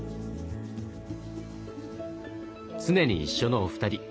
常に一緒のお二人。